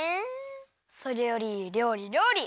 それよりりょうりりょうり！